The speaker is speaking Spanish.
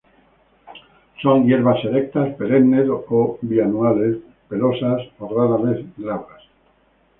Son hierbas erectas, perennes o bianuales, pelosas o rara vez glabras.